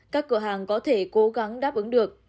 các cửa hàng có thể cố gắng đáp ứng được